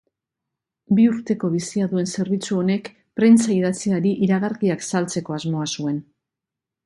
Bi urteko bizia duen zerbitzu honek, prentsa idatziari iragarkiak saltzeko asmoa zuen.